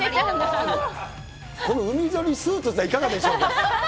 これ、海沿いにスーツっていかがでしょう？